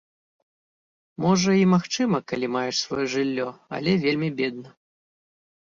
Можа, і магчыма, калі маеш сваё жыллё, але вельмі бедна.